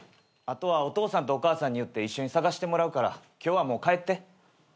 あとはお父さんとお母さんに言って一緒に捜してもらうから今日はもう帰って。